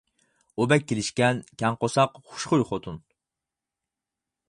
ئۇ بەك كېلىشكەن، كەڭ قورساق، خۇشخۇي خوتۇن.